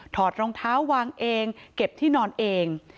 อดรองเท้าวางเองเก็บที่นอนเอง